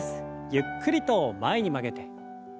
ゆっくりと前に曲げて。